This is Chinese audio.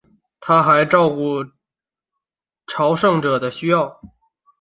他们还照顾朝圣者的需要。